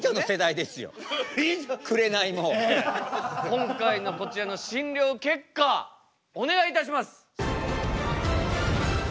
今回のこちらの診療結果お願いいたします。